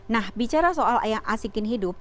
nah bicara soal ayah asikin hidup